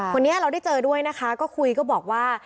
วันนี้เราได้เจอด้วยนะคะก็คุยก็บอกว่า